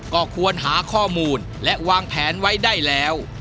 ก็ควรหาข้อมูลและวางแผนไว้ได้แล้ว